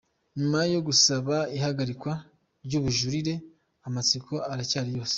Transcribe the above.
Nyuma yo gusaba ihagarikwa ry'ubujurire, amatsiko aracyari yose.